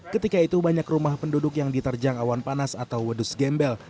ketika itu banyak rumah penduduk yang diterjang awan panas atau wedus gembel